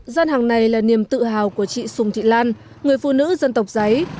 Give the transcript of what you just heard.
gian hàng này là niềm tự hào của chị sùng thị lan người phụ nữ dân tộc giấy